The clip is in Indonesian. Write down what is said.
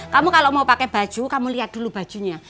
kamu kalau mau pakai baju kamu lihat dulu bajunya